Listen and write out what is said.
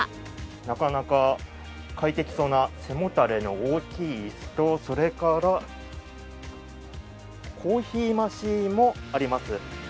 なかなか快適そうな、背もたれの大きい椅子と、それからコーヒーマシンもあります。